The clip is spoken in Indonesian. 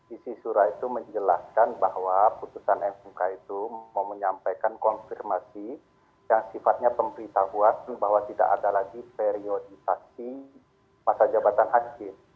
isi surat itu menjelaskan bahwa putusan mk itu mau menyampaikan konfirmasi yang sifatnya pemberitahuan bahwa tidak ada lagi periodisasi masa jabatan hakim